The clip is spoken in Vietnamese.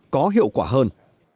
có hiệu quả hơn